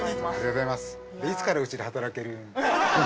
いつからうちで働ける？